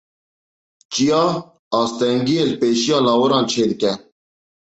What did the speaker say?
Çiya astengiyê li pêşiya lawiran çêdike.